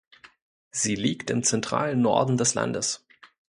Sie liegt im zentralen Norden des Landes.